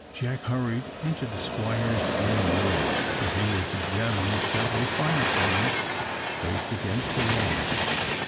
Jack hurried into the Squire's own room, where he was examining several fire arms, placed against the wall.